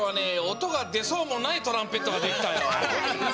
おとがでそうもないトランペットができたよ。